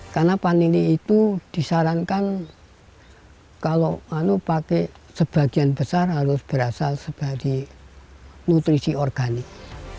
karena vanili itu disarankan kalau pakai sebagian besar harus berasal sebagai nutrisi organik